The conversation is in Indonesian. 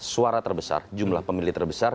suara terbesar jumlah pemilih terbesar